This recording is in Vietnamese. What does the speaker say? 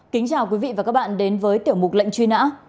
kính chào quý vị và các bạn đến với tiểu mục lệnh truy nã